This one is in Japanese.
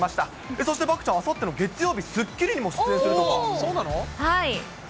そして漠ちゃんは、あさっての月曜日、スッキリにも出演するとか。